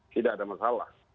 tidak ada masalah